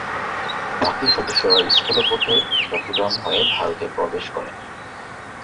বাকি সদস্যরা স্থলপথে চট্টগ্রাম হয়ে ভারতে প্রবেশ করেন।